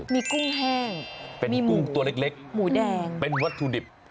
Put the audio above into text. มีกุ้งแห้งเป็นกุ้งตัวเล็กหมูแดงเป็นวัตถุดิบ